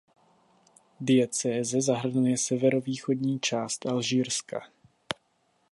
Diecéze zahrnuje severovýchodní část Alžírska.